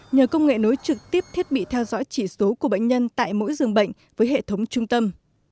nhờ công nghệ nối trực tiếp thiết bị theo dõi chỉ số của bệnh nhân tại mỗi giường bệnh với hệ thống trung tâm